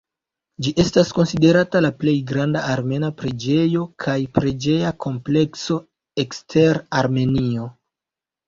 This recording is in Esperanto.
Ĝi estas konsiderata la plej granda armena preĝejo kaj preĝeja komplekso ekster Armenio.